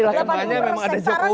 sarannya memang ada jokowi